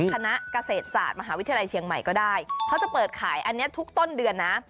คณะเกษตรศาสตร์มหาวิทยาลัยเชียงใหม่ก็ได้เขาจะเปิดขายอันนี้ทุกต้นเดือนนะ